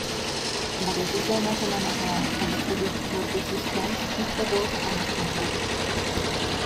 Varias escenas homenajean a las películas de "suspense" y "terror" como El Conjuro.